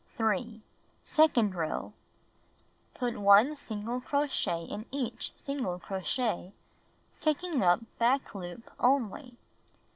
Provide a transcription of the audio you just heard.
3. Second row: Put 1 single crochet in each single crochet, taking up back loop only.